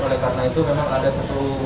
oleh karena itu memang ada satu